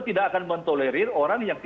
tidak akan mentolerir orang yang